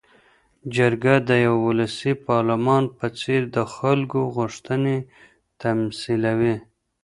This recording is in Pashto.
جرګه د یوه ولسي پارلمان په څېر د خلکو غوښتنې تمثیلوي.